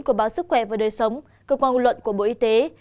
của báo sức khỏe và đời sống cơ quan ngôn luận của bộ y tế